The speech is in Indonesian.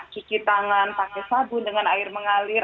cuci tangan pakai sabun dengan air mengalir